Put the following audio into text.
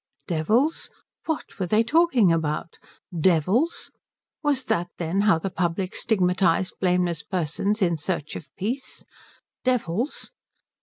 Devils? What were they talking about? Devils? Was that, then, how the public stigmatized blameless persons in search of peace? Devils?